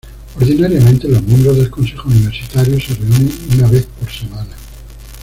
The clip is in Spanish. Ordinariamente los miembros del Consejo Universitario se reúnen una vez por semana.